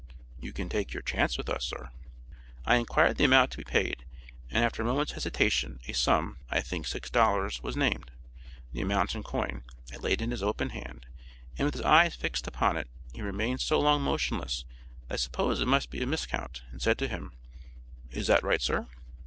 'You can take your chance with us, sir.' I inquired the amount to be paid, and after a moment's hesitation, a sum, I think six dollars, was named. The amount in coin, I laid in his open hand, and with his eye fixed upon it, he remained so long motionless that I supposed it might be a miscount, and said to him, 'Is that right sir?'